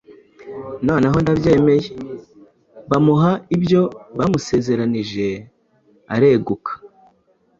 Noneho ndabyemeye». Bamuha ibyo bamusezeranije areguka.